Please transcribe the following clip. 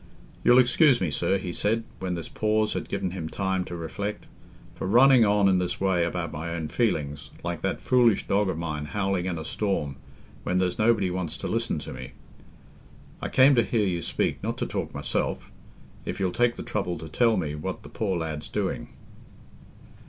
"You'll excuse me, sir," he said, when this pause had given him time to reflect, "for running on in this way about my own feelings, like that foolish dog of mine howling in a storm, when there's nobody wants to listen to me. I came to hear you speak, not to talk myself—if you'll take the trouble to tell me what the poor lad's doing."